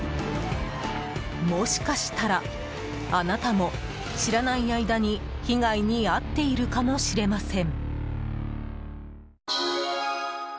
もしかしたら、あなたも知らない間に被害に遭っているかもしれません。